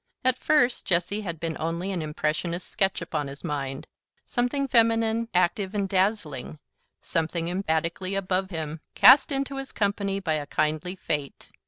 At first Jessie had been only an impressionist sketch upon his mind, something feminine, active, and dazzling, something emphatically "above" him, cast into his company by a kindly fate.